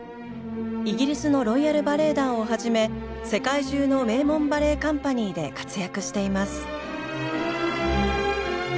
イギリスのロイヤル・バレエ団をはじめ世界中の名門バレエ・カンパニーで活躍しています。